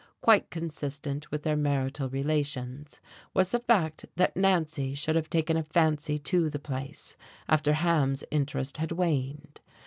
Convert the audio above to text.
Quite consistent with their marital relations was the fact that Nancy should have taken a fancy to the place after Ham's interest had waned.